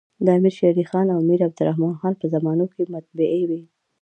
د امیر شېرعلي خان او امیر عبدالر حمن په زمانو کي مطبعې وې.